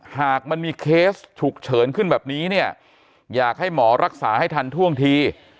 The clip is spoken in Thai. หากมันมีเคสฉุกเฉินขึ้นแบบนี้เนี่ยอยากให้หมอรักษาให้ทันท่วงที